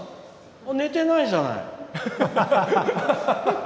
寝てないじゃない。